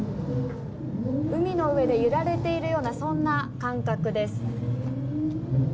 海の上で揺られているようなそんな感覚です。